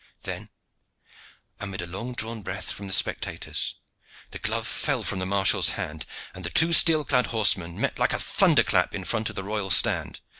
Then, amid a long drawn breath from the spectators, the glove fell from the marshal's hand, and the two steel clad horsemen met like a thunderclap in front of the royal stand.